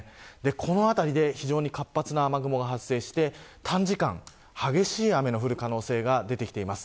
この辺りで非常に活発な雨雲が発生して短時間、激しい雨の降る可能性が出てきています。